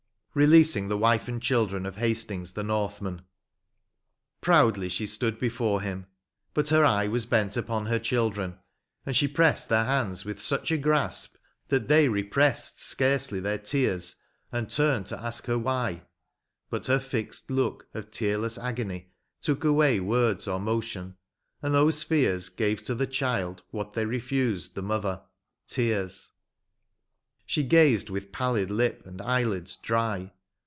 RELEASING THE WIFE AND CHILDREN OF HASTINGS THE NORTHMAN. Proudly she stood before him, but her eye Was bent upon her children, and she prest Their hands with such a grasp, that they represt Scarcely their tears, and turned to ask her why ; But her fixed look of tearless agony Took away words or motion, and those fears Gave to the child what they refused the mother — tears; She gazed with pallid lip and eyeUds dry.